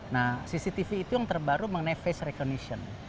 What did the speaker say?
nah cctv itu yang terbaru mengenai face recognition